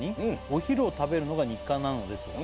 「お昼を食べるのが日課なのですが」